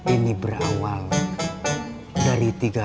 ini berawal dari tiga puluh tahun yang lalu